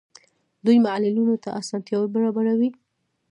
دوی معلولینو ته اسانتیاوې برابروي.